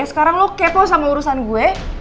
sekarang lo kepo sama urusan gue